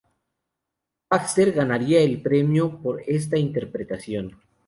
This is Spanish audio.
Baxter ganaría el premio por esta interpretación.